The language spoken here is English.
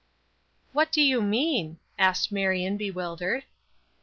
"What do you mean?" asked Marion bewildered.